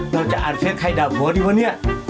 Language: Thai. เราจะอ่านเฟสใครด่าผัวดีวะเนี่ย